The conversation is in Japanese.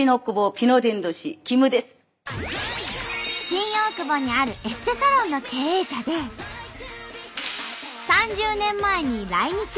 新大久保にあるエステサロンの経営者で３０年前に来日。